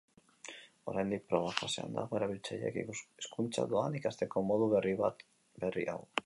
Oraindik proba fasean dago erabiltzaileek hizkuntzak doan ikasteko modu berri hau.